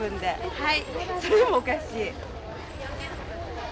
はい。